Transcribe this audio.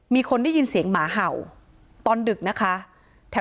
มีคนได้ยินเสียงหมาเห่าตอนดึกนะคะ